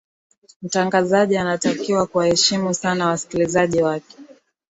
mtangazaji anatakiwa kuwaheshimu sana wasikilizaji wake